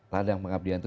ladang pengabdian itu